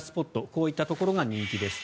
こういったところが人気です。